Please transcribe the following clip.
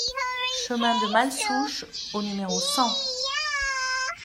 Chemin de Malsouche au numéro cent